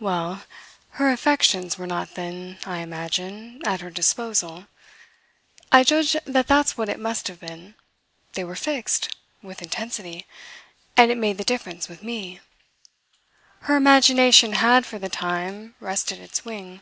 "Well, her affections were not then, I imagine, at her disposal. I judge that that's what it must have been. They were fixed with intensity; and it made the difference with me. Her imagination had, for the time, rested its wing.